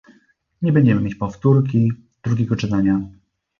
Nie będziemy mieć powtórki - drugiego czytania